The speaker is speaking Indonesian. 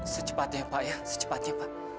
secepatnya pak ya secepatnya pak